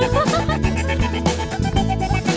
ya ampere mau kabur sih